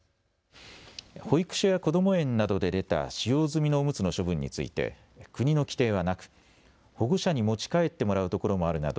保育所やこども園などで出た使用済みのおむつの処分について国の規定はなく、保護者に持ち帰ってもらうところもあるなど